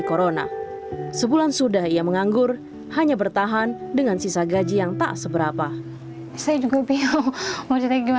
corona sebulan sudah ia menganggur hanya bertahan dengan sisa gaji yang tak seberapa saya juga bingung maksudnya gimana